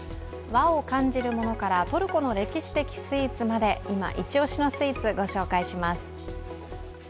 和を感じるものからトルコの歴史的スイーツまで、今、イチ押しのスイーツ、ご紹介します。